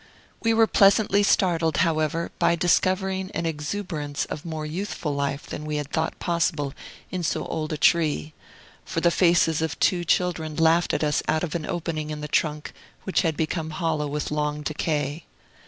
We were pleasantly startled, however, by discovering an exuberance of more youthful life than we had thought possible in so old a tree; for the faces of two children laughed at us out of an opening in the trunk, which had become hollow with long decay.